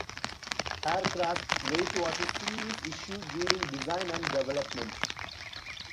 Aircraft weight was a serious issue during design and development.